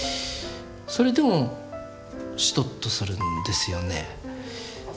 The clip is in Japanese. それでもしとっとするんですよね。